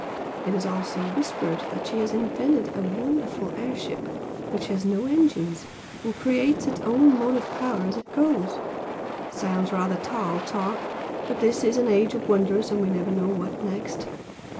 It is also whispered that she has invented a wonderful air ship which has no engines, and creates its own motive power as it goes! Sounds rather tall talk! but this is an age of wonders and we never know what next.